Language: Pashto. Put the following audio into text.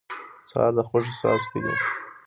سهار د خوښۍ څاڅکي دي.